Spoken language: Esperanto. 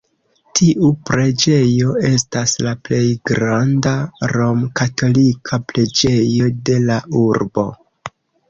Tiu preĝejo estas la plej granda romkatolika preĝejo de la urbo.